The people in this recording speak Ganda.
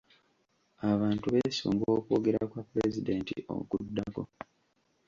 Abantu beesunga okwogera kwa pulezidenti okuddako.